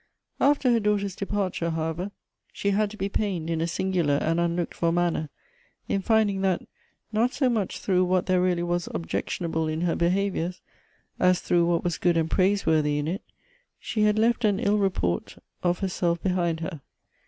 After her daughter's departure, however, she had to be ])ained in a singular and unlooked for manner, in finding that, not so much through what there really was objec tionable iu her behavior, as through what was good and praiseworthy in it, she had left an ill report of her 204 G O B T H B ' s self behind her.